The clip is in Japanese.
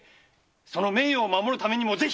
その名誉を守るためにもぜひ。